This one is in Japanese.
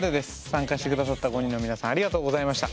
参加して下さった５人の皆さんありがとうございました。